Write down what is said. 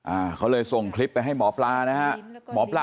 อ้าวเค้าเลยส่งคลิปไปให้หมอปลานะฮะ